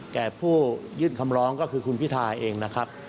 แก่ผู้ยื่นคำร้องก็คือคุณพิทาเองนะครับ